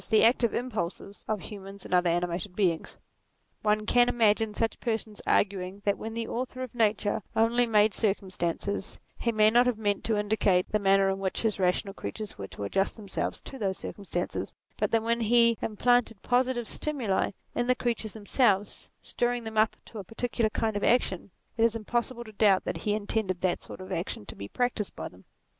the active impulses of human and other animated beings. One can imagine such persons arguing that when the Author of Nature only made circumstances, he may not have meant to indicate the manner in which his rational creatures were to adjust themselves to those circumstances ; but that when he implanted positive stimuli in the creatures themselves, stirring them up to a particular kind of action, it is impossible to doubt that he intended that sort of action to be practised by them.